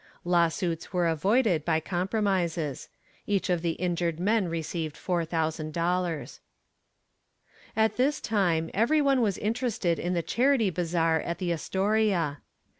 Lawsuits were avoided by compromises. Each of the injured men received $4,000. At this time every one was interested in the charity bazaar at the Astoria.